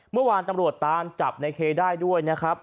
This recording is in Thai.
เมื่อวานตำรวจตามจับในเคได้ด้วยนะครับ